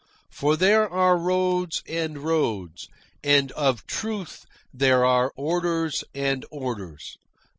For there are roads and roads, and of truth there are orders and orders.